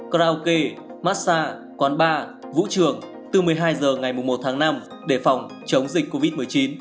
krauke massa quán ba vũ trường từ một mươi hai h ngày một tháng năm để phòng chống dịch covid một mươi chín